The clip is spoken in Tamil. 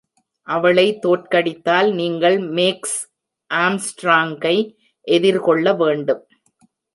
அவளை தோற்கடித்தால், நீங்கள் "மேக்ஸ் ஆம்ஸ்ட்ராங்கை" எதிர்கொள்ள வேண்டும்.